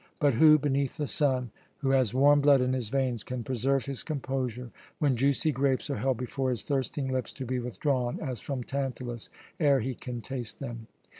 But who beneath the sun who has warm blood in his veins can preserve his composure when juicy grapes are held before his thirsting lips to be withdrawn, as from Tantalus, ere he can taste them?